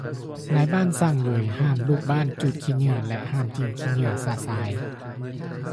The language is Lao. ນາຍບ້ານສ້າງເຫວີຍຫ້າມລູກບ້ານຈູດຂີ້ເຫຍື້ອ ແລະ ຖິ້ມຂີ້ເຫຍື້ອຊະຊາຍ